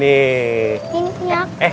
ini pak yai